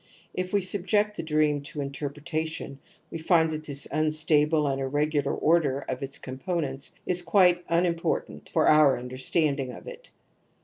If we subject the dream to interpretation we find that this unstable and irregular order of its compo nents is quite unimportant for our imder standing of it.